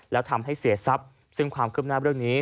แล้วทำให้เสียทรัพย์ซึ่งความคืบหน้าเรื่องนี้